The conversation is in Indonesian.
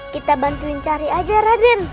kita bantuin cari aja raden